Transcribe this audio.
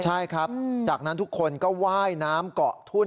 ใช่ครับจากนั้นทุกคนก็ว่ายน้ำเกาะทุ่น